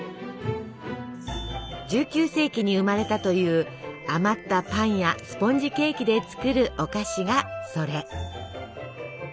１９世紀に生まれたという余ったパンやスポンジケーキで作るお菓子がそれ。